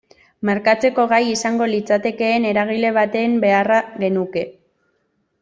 Markatzeko gai izango litzatekeen eragile baten beharra genuke.